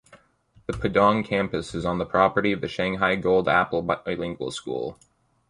The Pudong Campus is on the property of the Shanghai Gold Apple Bilingual School.